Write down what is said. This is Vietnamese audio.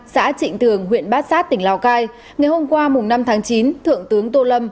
xã trịnh tường huyện bát sát tỉnh lào cai ngày hôm qua năm tháng chín thượng tướng tô lâm